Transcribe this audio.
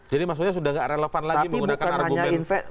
jadi maksudnya sudah gak relevan lagi menggunakan argumen